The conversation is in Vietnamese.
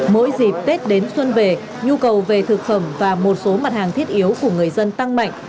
mỗi dịp tết đến xuân về nhu cầu về thực phẩm và một số mặt hàng thiết yếu của người dân tăng mạnh